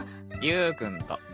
ゆーくんと。